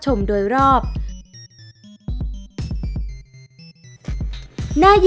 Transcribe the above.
จุดที่๓รวมภาพธนบัตรที่๙